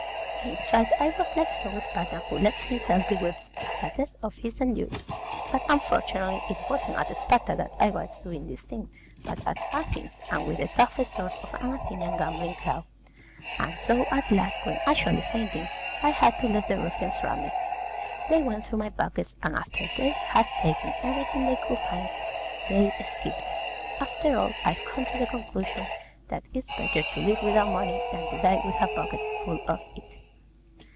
In fact, I was like some Spartan who lets himself be whipped as a test of his endurance: but unfortunately it wasn't at Sparta that I was doing this thing, but at Athens, and with the toughest sort of an Athenian gambling crowd; and so at last, when actually fainting, I had to let the ruffians rob me. They went through my pockets, and after they had taken everything they could find, they skipped. After all, I've come to the conclusion that it's better to live without money than to die with a pocket full of it.